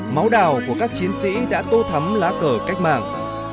máu đào của các chiến sĩ đã tô thắm lá cờ cách mạng